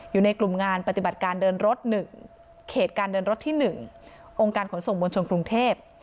อยู่ในกลุ่มงานปฏิบัติการเดินรถ๑เขตการเดินรถที่๑องค์การขนส่งมวลชนกรุงเทพ